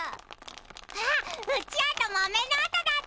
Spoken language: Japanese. あっうちわとまめのおとだったのね。